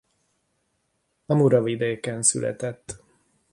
A Muravidéken született.